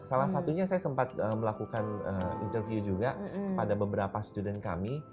salah satunya saya sempat melakukan interview juga kepada beberapa student kami